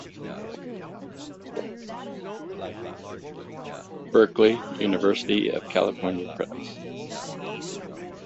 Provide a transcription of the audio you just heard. Berkeley: University of California Press.